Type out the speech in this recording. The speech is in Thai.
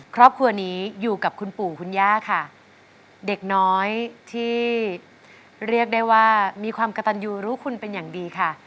ครอบครัวนี้อยู่กับคุณปู่คุณย่าค่ะเด็กน้อยที่เรียกได้ว่ามีความกระตันยูรู้คุณเป็นอย่างดีค่ะ